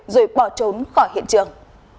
rồi bỏ trốn khỏi hiện trường